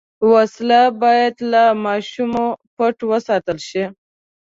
وسله باید له ماشومه پټه وساتل شي